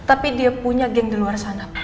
tapi dia punya geng di luar sana